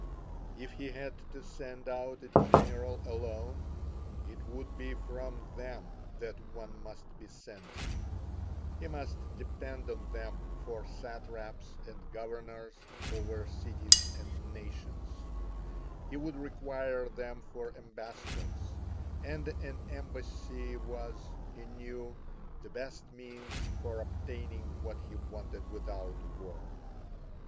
If he had to send out a general alone it would be from them that one must be sent: he must depend on them for satraps and governors over cities and nations; he would require them for ambassadors, and an embassy was, he knew, the best means for obtaining what he wanted without war.